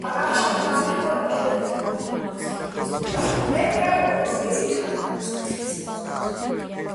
ვაშინგტონის ფერადკანიანი მოსახლეობა ისტორიების მოყოლასაც საინტერესო ტრადიციად თვლის.